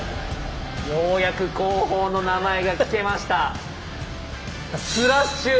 ようやく工法の名前が聞けました。